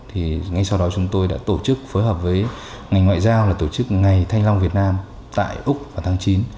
thì ngay sau đó chúng tôi đã tổ chức phối hợp với ngành ngoại giao là tổ chức ngày thanh long việt nam tại úc vào tháng chín